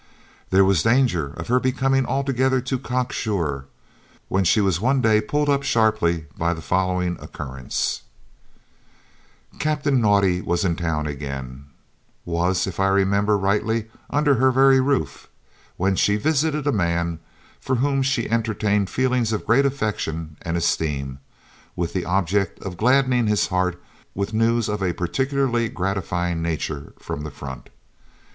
There was danger of her becoming altogether too "cocksure," when she was one day pulled up sharply by the following occurrence: Captain Naudé was in town again, was, if I remember rightly, under her very roof, when she visited a man for whom she entertained feelings of great affection and esteem, with the object of gladdening his heart with news of a particularly gratifying nature from the front.